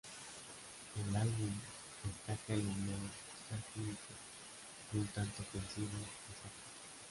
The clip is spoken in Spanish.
El álbum destaca el humor satírico, y un tanto ofensivo, de Zappa.